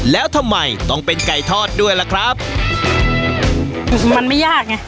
แล้วทำไมต้องเป็นไก่ทอดด้วยล่ะครับมันไม่ยากไง